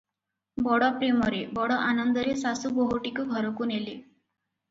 ବଡ଼ ପ୍ରେମରେ, ବଡ ଆନନ୍ଦରେ ଶାଶୁ ବୋହୂଟିକୁ ଘରକୁ ନେଲେ ।